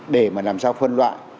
để mà làm sao phân loại